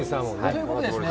ということですね。